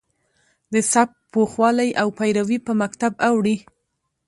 د سبک پوخوالی او پیروي په مکتب اوړي.